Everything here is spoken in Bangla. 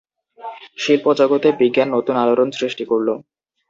শিল্পজগতে বিজ্ঞান নতুন আলোড়ন সৃষ্টি করলো।